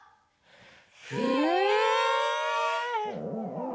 へえ！